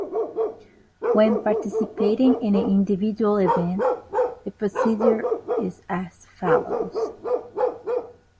When participating in an individual event, the procedure is as follows.